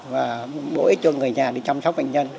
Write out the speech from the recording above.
và bổ ích cho người nhà đi chăm sóc bệnh nhân